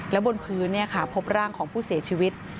และบนพื้นพบร่างของผู้เสียชีวิต